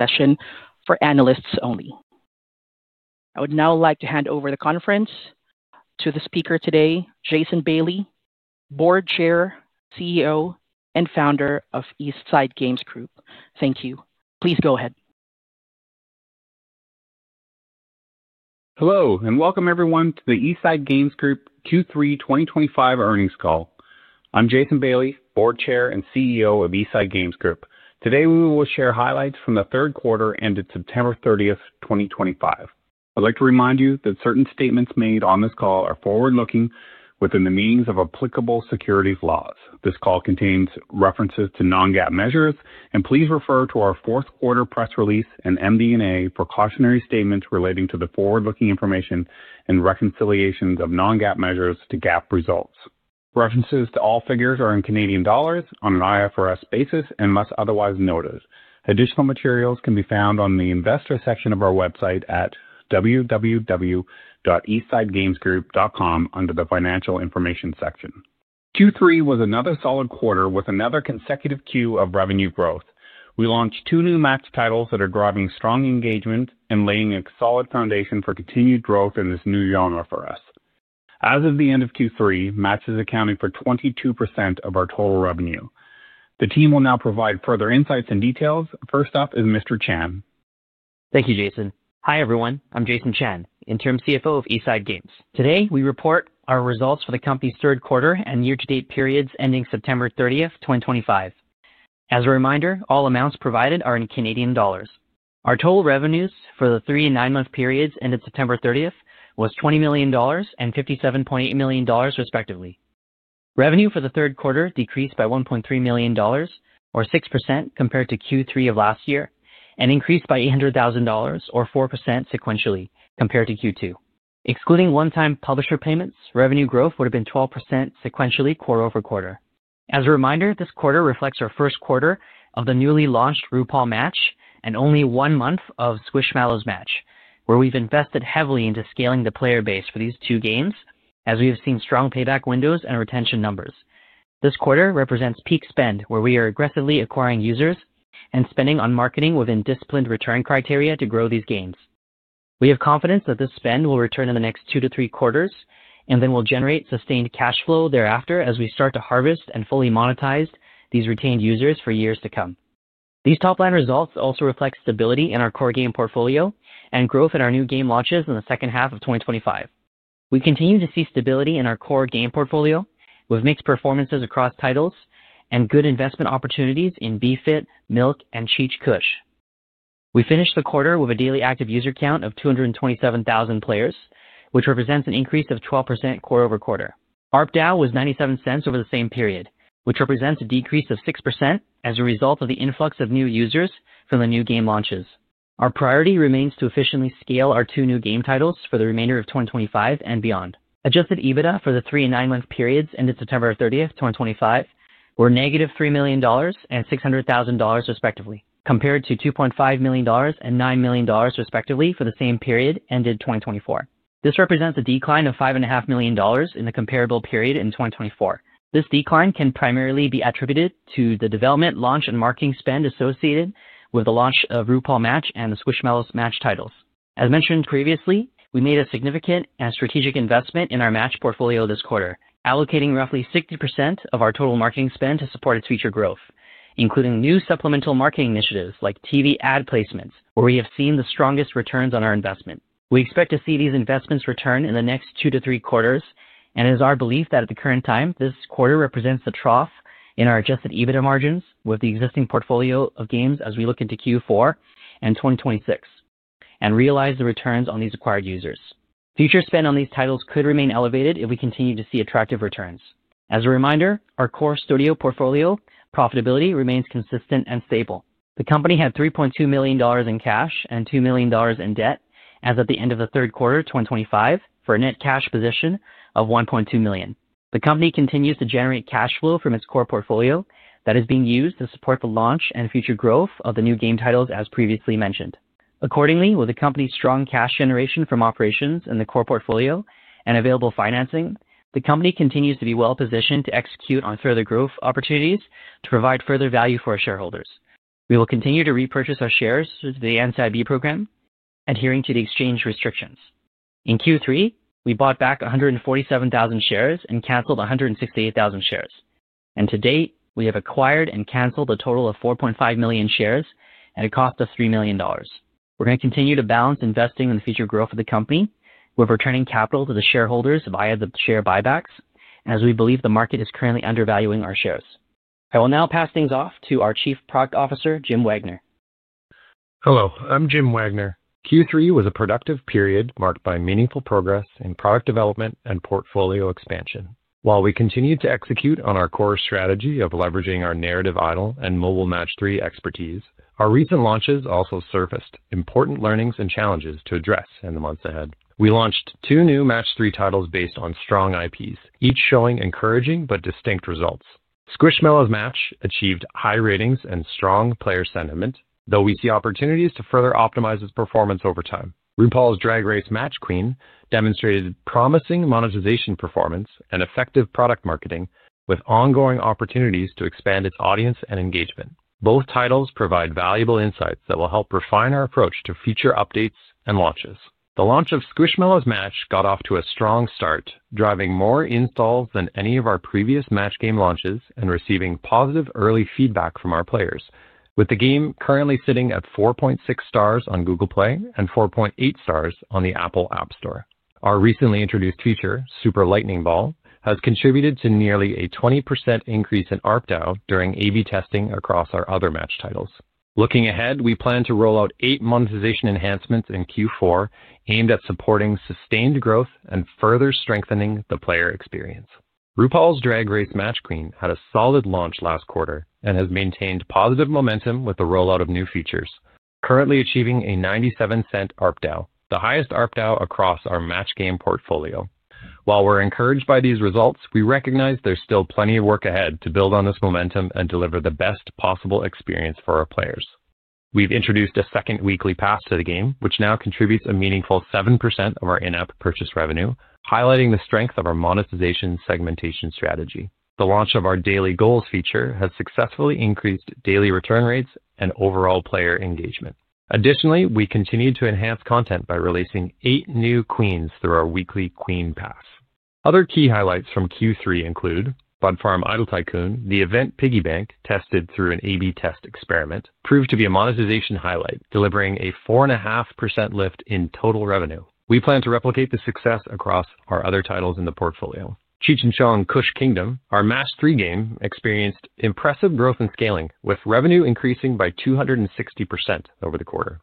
Session for analysts only. I would now like to hand over the conference to the speaker today, Jason Bailey, Board Chair, CEO, and founder of East Side Games Group. Thank you. Please go ahead. Hello and welcome everyone to the East Side Games Group Q3 2025 earnings call. I'm Jason Bailey, Board Chair and CEO of East Side Games Group. Today we will share highlights from the Third Quarter ended September 30, 2025. I'd like to remind you that certain statements made on this call are forward-looking within the meaning of applicable securities laws. This call contains references to non-GAAP measures, and please refer to our fourth quarter press release and MD&A for cautionary statements relating to the forward-looking information and reconciliations of non-GAAP measures to GAAP results. References to all figures are in CAD on an IFRS basis unless otherwise noted. Additional materials can be found on the investor section of our website at www.eastsidegamesgroup.com under the financial information section. Q3 was another solid quarter with another consecutive quarter of revenue growth. We launched two new match titles that are driving strong engagement and laying a solid foundation for continued growth in this new genre for us. As of the end of Q3, match is accounting for 22% of our total revenue. The team will now provide further insights and details. First up is Mr. Chan. Thank you, Jason. Hi everyone. I'm Jason Chan, Interim CFO of East Side Games. Today we report our results for the company's Third Quarter and year-to-date periods ending September 30, 2025. As a reminder, all amounts provided are in CAD. Our total revenues for the three- and nine-month periods ended September 30 was 20 million dollars and 57.8 million dollars, respectively. Revenue for the Third Quarter decreased by 1.3 million dollars, or 6%, compared to Q3 of last year, and increased by 800,000 dollars, or 4%, sequentially, compared to Q2. Excluding one-time publisher payments, revenue growth would have been 12% sequentially quarter over quarter. As a reminder, this quarter reflects our First Quarter of the newly launched RuPaul's Drag Race: Match Queen and only one month of Squishmallows Match, where we've invested heavily into scaling the player base for these two games, as we have seen strong payback windows and retention numbers. This Quarter represents peak spend, where we are aggressively acquiring users and spending on marketing within disciplined return criteria to grow these games. We have confidence that this spend will return in the next two to three quarters and then will generate sustained cash flow thereafter as we start to harvest and fully monetize these retained users for years to come. These top-line results also reflect stability in our core game portfolio and growth in our new game launches in the second half of 2025. We continue to see stability in our core game portfolio with mixed performances across titles and good investment opportunities in BFIT, Milk, and Cheech Kush. We finished the Quarter with a daily active user count of 227,000 players, which represents an increase of 12% quarter over quarter. ARPDAU was $0.97 over the same period, which represents a decrease of 6% as a result of the influx of new users from the new game launches. Our priority remains to efficiently scale our two new game titles for the remainder of 2025 and beyond. Adjusted EBITDA for the three nine-month periods ended September 30, 2025, were negative $3 million and $600,000, respectively, compared to $2.5 million and $9 million, respectively, for the same period ended 2024. This represents a decline of $5.5 million in the comparable period in 2024. This decline can primarily be attributed to the development, launch, and marketing spend associated with the launch of RuPaul's Drag Race: Match Queen and Squishmallows Match titles. As mentioned previously, we made a significant and strategic investment in our match portfolio this Quarter, allocating roughly 60% of our total marketing spend to support its future growth, including new supplemental marketing initiatives like TV ad placements, where we have seen the strongest returns on our investment. We expect to see these investments return in the next two to three quarters, and it is our belief that at the current time, this Quarter represents the trough in our adjusted EBITDA margins with the existing portfolio of games as we look into Q4 and 2026 and realize the returns on these acquired users. Future spend on these titles could remain elevated if we continue to see attractive returns. As a reminder, our core studio portfolio profitability remains consistent and stable. The company had 3.2 million dollars in cash and 2 million dollars in debt as of the end of the Third Quarter of 2025 for a net cash position of 1.2 million. The company continues to generate cash flow from its core portfolio that is being used to support the launch and future growth of the new game titles, as previously mentioned. Accordingly, with the company's strong cash generation from operations in the core portfolio and available financing, the company continues to be well-positioned to execute on further growth opportunities to provide further value for our shareholders. We will continue to repurchase our shares through the NCIB program, adhering to the exchange restrictions. In Q3, we bought back 147,000 shares and canceled 168,000 shares. To date, we have acquired and canceled a total of 4.5 million shares at a cost of 3 million dollars. We're going to continue to balance investing in the future growth of the company with returning capital to the shareholders via the share buybacks, as we believe the market is currently undervaluing our shares. I will now pass things off to our Chief Product Officer, Jim Wagner. Hello. I'm Jim Wagner. Q3 was a productive period marked by meaningful progress in product development and portfolio expansion. While we continued to execute on our core strategy of leveraging our narrative idle and mobile match 3 expertise, our recent launches also surfaced important learnings and challenges to address in the months ahead. We launched two new match 3 titles based on strong IPs, each showing encouraging but distinct results. Squishmallows Match achieved high ratings and strong player sentiment, though we see opportunities to further optimize its performance over time. RuPaul's Drag Race: Match Queen demonstrated promising monetization performance and effective product marketing, with ongoing opportunities to expand its audience and engagement. Both titles provide valuable insights that will help refine our approach to future updates and launches. The launch of Squishmallows Match got off to a strong start, driving more installs than any of our previous match game launches and receiving positive early feedback from our players, with the game currently sitting at 4.6 stars on Google Play and 4.8 stars on the Apple App Store. Our recently introduced feature, Super Lightning Ball, has contributed to nearly a 20% increase in ARPDAU during A/B testing across our other match titles. Looking ahead, we plan to roll out eight monetization enhancements in Q4 aimed at supporting sustained growth and further strengthening the player experience. RuPaul's Drag Race: Match Queen had a solid launch last quarter and has maintained positive momentum with the rollout of new features, currently achieving a 0.97 ARPDAU, the highest ARPDAU across our match game portfolio. While we're encouraged by these results, we recognize there's still plenty of work ahead to build on this momentum and deliver the best possible experience for our players. We've introduced a second weekly pass to the game, which now contributes a meaningful 7% of our in-app purchase revenue, highlighting the strength of our monetization segmentation strategy. The launch of our daily goals feature has successfully increased daily return rates and overall player engagement. Additionally, we continue to enhance content by releasing eight new queens through our weekly queen pass. Other key highlights from Q3 include Bud Farm Idle Tycoon. The event Piggy Bank, tested through an A/B test experiment, proved to be a monetization highlight, delivering a 4.5% lift in total revenue. We plan to replicate the success across our other titles in the portfolio. Cheech and Chong: Kush Kingdom, our match-3 game, experienced impressive growth and scaling, with revenue increasing by 260% over the quarter.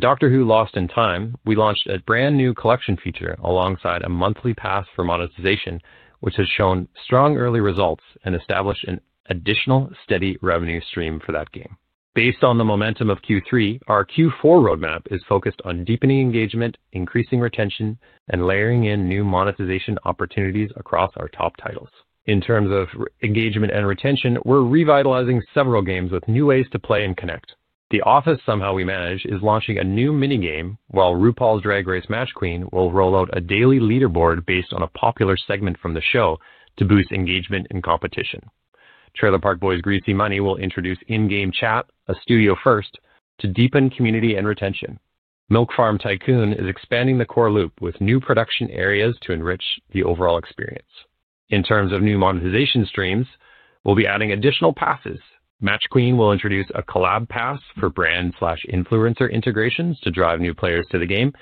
Doctor Who: Lost in Time. We launched a brand new collection feature alongside a monthly pass for monetization, which has shown strong early results and established an additional steady revenue stream for that game. Based on the momentum of Q3, our Q4 roadmap is focused on deepening engagement, increasing retention, and layering in new monetization opportunities across our top titles. In terms of engagement and retention, we're revitalizing several games with new ways to play and connect. The Office: Somehow We Manage is launching a new mini-game, while RuPaul's Drag Race: Match Queen will roll out a daily leaderboard based on a popular segment from the show to boost engagement and competition. Trailer Park Boys: Greasy Money will introduce in-game chat, a studio first, to deepen community and retention. Milk Farm Idle Tycoon is expanding the core loop with new production areas to enrich the overall experience. In terms of new monetization streams, we'll be adding additional passes. Match Queen will introduce a collab pass for brand/influencer integrations to drive new players to the game.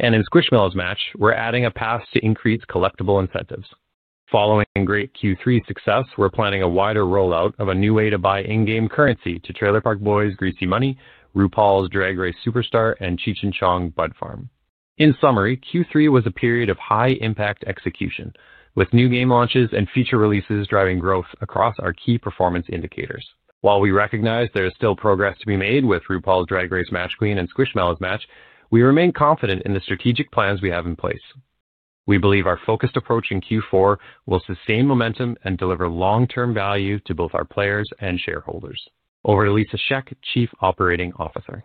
In Squishmallows Match, we're adding a pass to increase collectible incentives. Following great Q3 success, we're planning a wider rollout of a new way to buy in-game currency to Trailer Park Boys: Greasy Money, RuPaul's Drag Race: Superstar, and Cheech and Chong: Kush Kingdom. In summary, Q3 was a period of high-impact execution, with new game launches and feature releases driving growth across our key performance indicators. While we recognize there is still progress to be made with RuPaul's Drag Race: Match Queen and Squishmallows Match, we remain confident in the strategic plans we have in place. We believe our focused approach in Q4 will sustain momentum and deliver long-term value to both our players and shareholders. Over to Lisa Shek, Chief Operating Officer.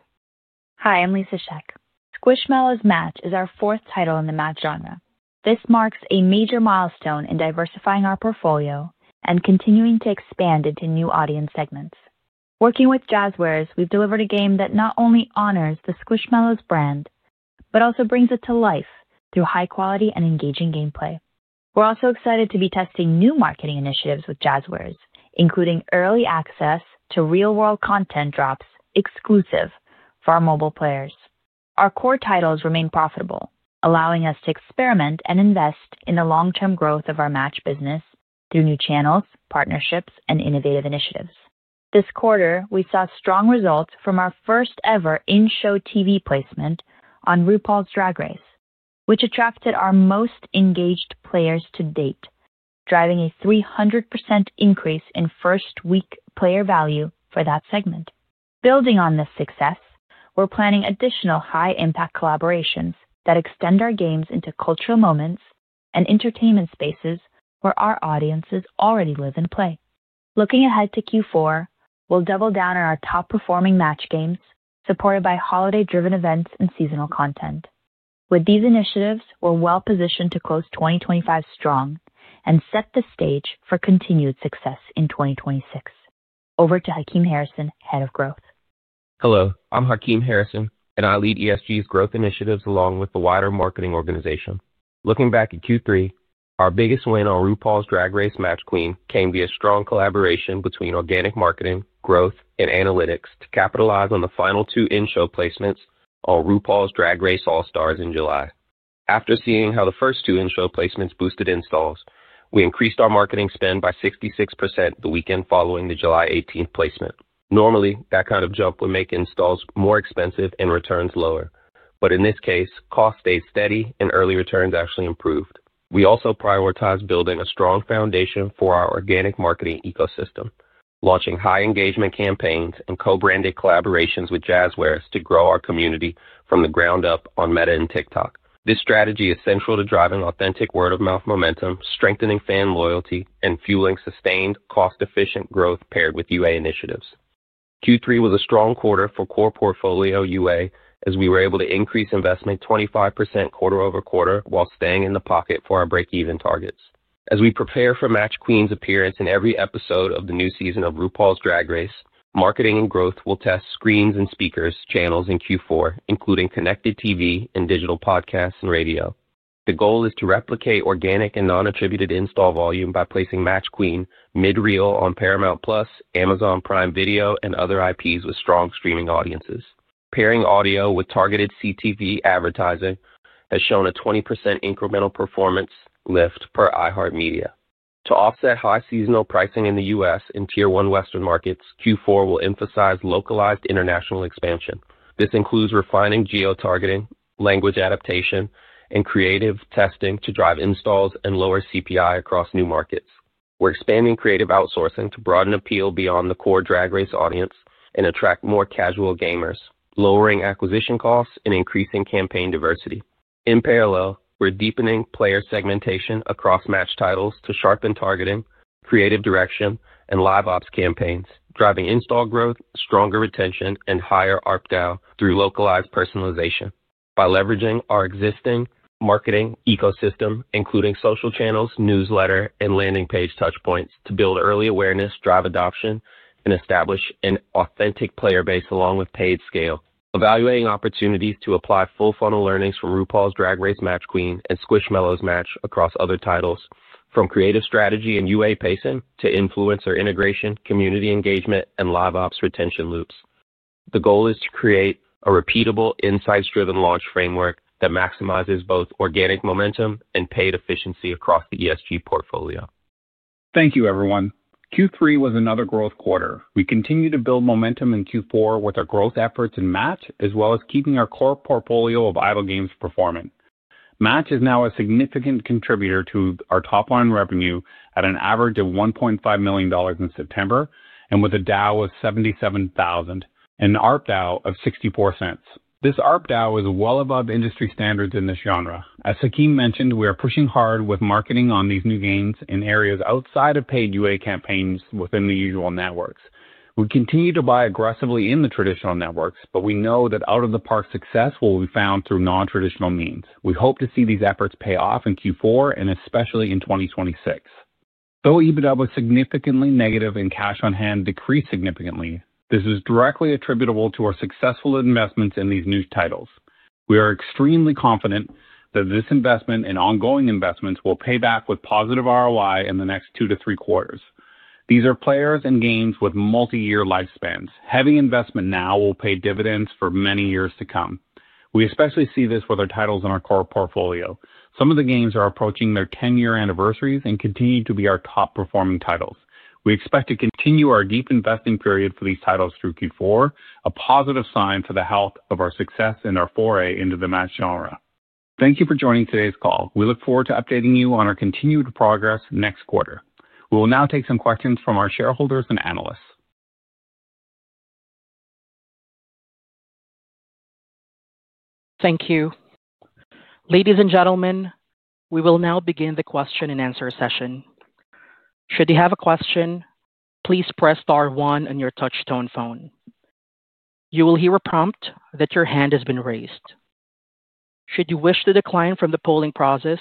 Hi, I'm Lisa Shek. Squishmallows Match is our fourth title in the match genre. This marks a major milestone in diversifying our portfolio and continuing to expand into new audience segments. Working with Jazzwares, we've delivered a game that not only honors the Squishmallows brand but also brings it to life through high-quality and engaging gameplay. We're also excited to be testing new marketing initiatives with Jazzwares, including early access to real-world content drops exclusive for our mobile players. Our core titles remain profitable, allowing us to experiment and invest in the long-term growth of our match business through new channels, partnerships, and innovative initiatives. This quarter, we saw strong results from our first-ever in-show TV placement on RuPaul's Drag Race, which attracted our most engaged players to date, driving a 300% increase in first-week player value for that segment. Building on this success, we're planning additional high-impact collaborations that extend our games into cultural moments and entertainment spaces where our audiences already live and play. Looking ahead to Q4, we'll double down on our top-performing match games supported by holiday-driven events and seasonal content. With these initiatives, we're well-positioned to close 2025 strong and set the stage for continued success in 2026. Over to Hakeem Harrison, Head of Growth. Hello. I'm Hakeem Harrison, and I lead ESG's growth initiatives along with the wider marketing organization. Looking back at Q3, our biggest win on RuPaul's Drag Race: Match Queen came via strong collaboration between organic marketing, growth, and analytics to capitalize on the final two in-show placements on RuPaul's Drag Race All Stars in July. After seeing how the first two in-show placements boosted installs, we increased our marketing spend by 66% the weekend following the July 18 placement. Normally, that kind of jump would make installs more expensive and returns lower, but in this case, cost stayed steady and early returns actually improved. We also prioritized building a strong foundation for our organic marketing ecosystem, launching high-engagement campaigns and co-branded collaborations with Jazzwares to grow our community from the ground up on Meta and TikTok. This strategy is central to driving authentic word-of-mouth momentum, strengthening fan loyalty, and fueling sustained cost-efficient growth paired with UA initiatives. Q3 was a strong quarter for core portfolio UA as we were able to increase investment 25% quarter over quarter while staying in the pocket for our break-even targets. As we prepare for Match Queen's appearance in every episode of the new season of RuPaul's Drag Race, marketing and growth will test screens and speakers channels in Q4, including connected TV and digital podcasts and radio. The goal is to replicate organic and non-attributed install volume by placing Match Queen mid-reel on Paramount Plus, Amazon Prime Video, and other IPs with strong streaming audiences. Pairing audio with targeted CTV advertising has shown a 20% incremental performance lift per iHeart Media. To offset high seasonal pricing in the U.S. and tier-one Western markets, Q4 will emphasize localized international expansion. This includes refining geo-targeting, language adaptation, and creative testing to drive installs and lower CPI across new markets. We're expanding creative outsourcing to broaden appeal beyond the core Drag Race audience and attract more casual gamers, lowering acquisition costs and increasing campaign diversity. In parallel, we're deepening player segmentation across match titles to sharpen targeting, creative direction, and live ops campaigns, driving install growth, stronger retention, and higher ARPDAU through localized personalization. By leveraging our existing marketing ecosystem, including social channels, newsletter, and landing page touchpoints, to build early awareness, drive adoption, and establish an authentic player base along with paid scale. Evaluating opportunities to apply full-funnel learnings from RuPaul's Drag Race: Match Queen and Squishmallows Match across other titles, from creative strategy and UA pacing to influencer integration, community engagement, and live ops retention loops. The goal is to create a repeatable, insights-driven launch framework that maximizes both organic momentum and paid efficiency across the ESG portfolio. Thank you, everyone. Q3 was another growth quarter. We continue to build momentum in Q4 with our growth efforts in match, as well as keeping our core portfolio of idle games performing. Match is now a significant contributor to our top-line revenue at an average of 1.5 million dollars in September, and with a DAU of 77,000 and an ARPDAU of 0.64. This ARPDAU is well above industry standards in this genre. As Hakeem mentioned, we are pushing hard with marketing on these new games in areas outside of paid UA campaigns within the usual networks. We continue to buy aggressively in the traditional networks, but we know that out-of-the-park success will be found through non-traditional means. We hope to see these efforts pay off in Q4, and especially in 2026. Though EBITDA was significantly negative and cash on hand decreased significantly, this is directly attributable to our successful investments in these new titles. We are extremely confident that this investment and ongoing investments will pay back with positive ROI in the next two to three quarters. These are players and games with multi-year lifespans. Heavy investment now will pay dividends for many years to come. We especially see this with our titles in our core portfolio. Some of the games are approaching their 10-year anniversaries and continue to be our top-performing titles. We expect to continue our deep investing period for these titles through Q4, a positive sign for the health of our success in our foray into the match genre. Thank you for joining today's call. We look forward to updating you on our continued progress next quarter. We will now take some questions from our shareholders and analysts. Thank you. Ladies and gentlemen, we will now begin the question and answer session. Should you have a question, please press star one on your touch-tone phone. You will hear a prompt that your hand has been raised. Should you wish to decline from the polling process,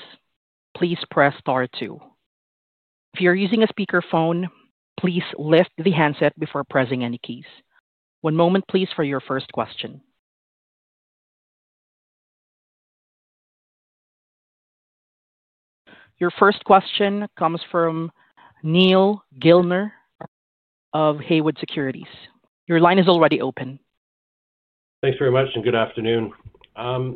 please press star two. If you're using a speakerphone, please lift the handset before pressing any keys. One moment, please, for your first question. Your first question comes from Neal Gilmer of Haywood Securities. Your line is already open. Thanks very much, and good afternoon. In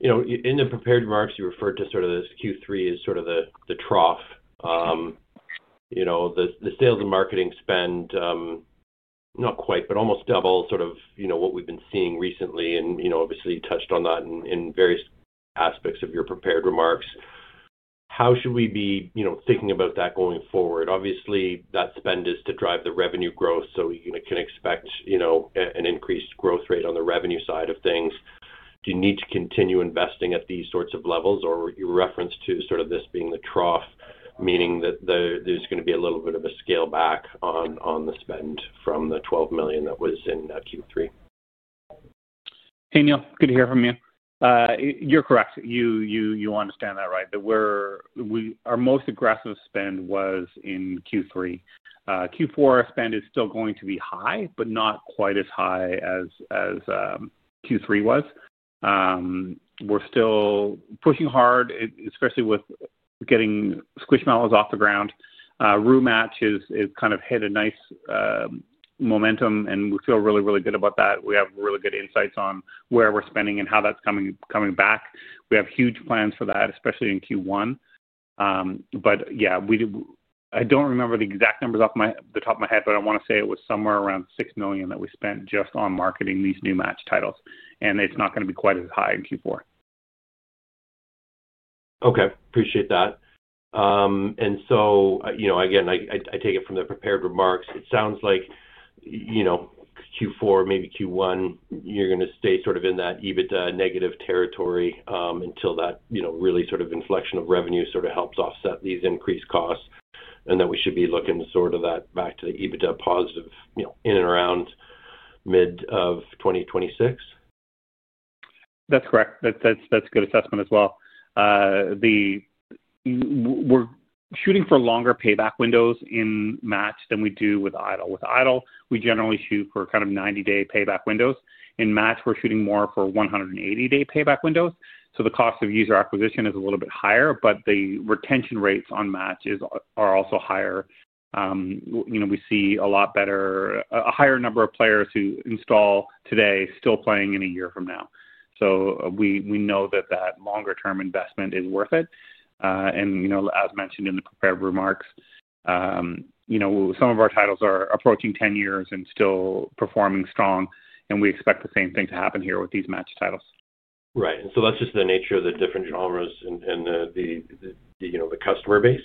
the prepared remarks, you referred to sort of this Q3 as sort of the trough. The sales and marketing spend, not quite, but almost double sort of what we've been seeing recently, and obviously touched on that in various aspects of your prepared remarks. How should we be thinking about that going forward? Obviously, that spend is to drive the revenue growth, so you can expect an increased growth rate on the revenue side of things. Do you need to continue investing at these sorts of levels, or your reference to sort of this being the trough, meaning that there's going to be a little bit of a scale back on the spend from the 12 million that was in Q3? Hakeem, good to hear from you. You're correct. You understand that, right? Our most aggressive spend was in Q3. Q4 spend is still going to be high, but not quite as high as Q3 was. We're still pushing hard, especially with getting Squishmallows off the ground. Roo Match has kind of hit a nice momentum, and we feel really, really good about that. We have really good insights on where we're spending and how that's coming back. We have huge plans for that, especially in Q1. Yeah, I don't remember the exact numbers off the top of my head, but I want to say it was somewhere around 6 million that we spent just on marketing these new match titles, and it's not going to be quite as high in Q4. Okay. Appreciate that. I take it from the prepared remarks, it sounds like Q4, maybe Q1, you're going to stay sort of in that EBITDA negative territory until that really sort of inflection of revenue sort of helps offset these increased costs, and that we should be looking sort of at that back to the EBITDA positive in and around mid of 2026? That's correct. That's a good assessment as well. We're shooting for longer payback windows in match than we do with idle. With idle, we generally shoot for kind of 90-day payback windows. In match, we're shooting more for 180-day payback windows. The cost of user acquisition is a little bit higher, but the retention rates on match are also higher. We see a lot better, a higher number of players who install today still playing in a year from now. We know that that longer-term investment is worth it. As mentioned in the prepared remarks, some of our titles are approaching 10 years and still performing strong, and we expect the same thing to happen here with these match titles. Right. And so that's just the nature of the different genres and the customer base?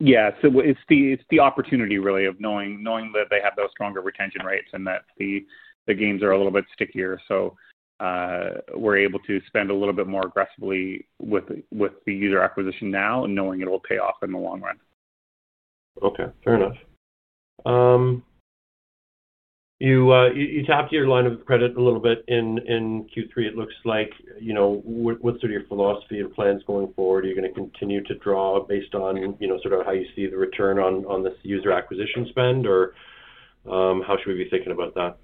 Yeah. It is the opportunity, really, of knowing that they have those stronger retention rates and that the games are a little bit stickier. We are able to spend a little bit more aggressively with the user acquisition now and knowing it will pay off in the long run. Okay. Fair enough. You tapped your line of credit a little bit in Q3, it looks like. What's sort of your philosophy or plans going forward? Are you going to continue to draw based on sort of how you see the return on this user acquisition spend, or how should we be thinking about that?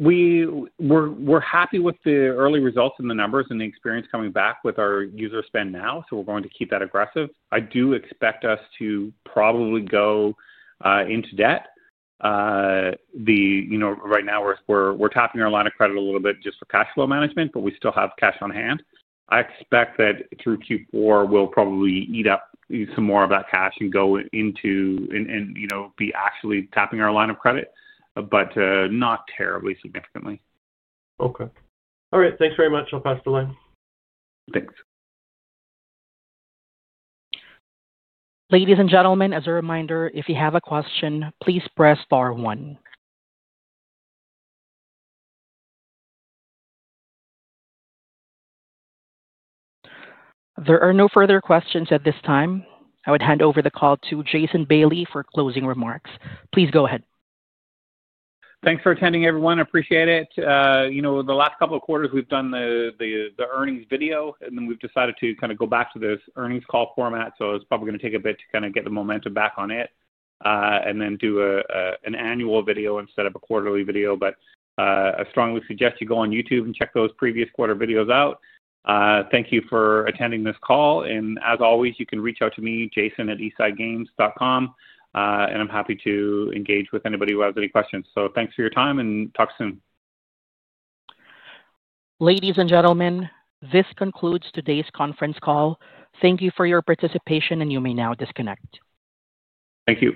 We're happy with the early results and the numbers and the experience coming back with our user spend now, so we're going to keep that aggressive. I do expect us to probably go into debt. Right now, we're tapping our line of credit a little bit just for cash flow management, but we still have cash on hand. I expect that through Q4, we'll probably eat up some more of that cash and go into and be actually tapping our line of credit, but not terribly significantly. Okay. All right. Thanks very much. I'll pass the line. Thanks. Ladies and gentlemen, as a reminder, if you have a question, please press star one. There are no further questions at this time. I would hand over the call to Jason Bailey for closing remarks. Please go ahead. Thanks for attending, everyone. Appreciate it. The last couple of quarters, we've done the earnings video, and then we've decided to kind of go back to this earnings call format. It is probably going to take a bit to kind of get the momentum back on it and then do an annual video instead of a quarterly video. I strongly suggest you go on YouTube and check those previous quarter videos out. Thank you for attending this call. As always, you can reach out to me, Jason@eastsidegames.com, and I'm happy to engage with anybody who has any questions. Thanks for your time, and talk soon. Ladies and gentlemen, this concludes today's conference call. Thank you for your participation, and you may now disconnect. Thank you.